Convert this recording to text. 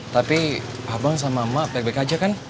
tapi abang sama emak back back aja kan